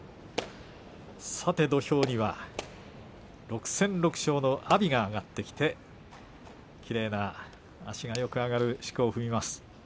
さて土俵には６戦６勝の阿炎が上がってきてきれいに足が上がるしこを踏みます。